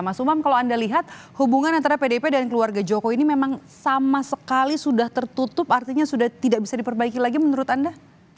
mas umam kalau anda lihat hubungan antara pdip dan keluarga jokowi ini memang sama sekali sudah tertutup artinya sudah tidak bisa diperbaiki lagi menurut anda